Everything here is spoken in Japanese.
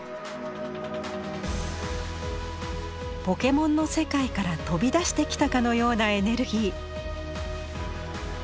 ポケモンの世界から飛び出してきたかのようなエネルギー。